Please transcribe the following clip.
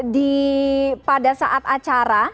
di pada saat acara